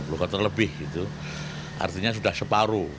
tiga puluh loter lebih artinya sudah separuh